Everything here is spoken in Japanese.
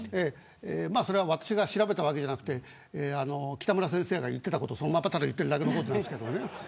それは私が調べたわけではなくて北村先生が言ってたことをそのまま言っているんですけど。